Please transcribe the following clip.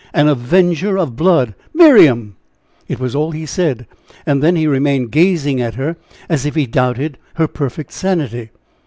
"An avenger of blood!" "Miriam!" It was all he said, and then he remained gazing at her, as if he doubted her perfect sanity.